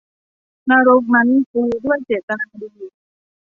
นรกนั้นปูด้วยเจตนาดี